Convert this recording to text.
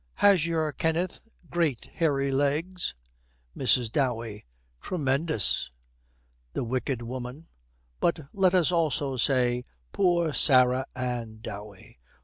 'Has your Kenneth great hairy legs?' MRS. DOWEY. 'Tremendous.' The wicked woman: but let us also say 'Poor Sarah Ann Dowey.'